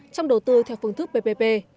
trong đầu tư theo phương thức ppp